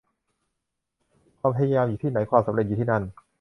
ความพยายามอยู่ที่ไหน ความสำเร็จอยู่ที่นั่น